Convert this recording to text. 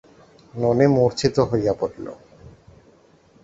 ননি মূর্ছিত হইয়া পড়িল।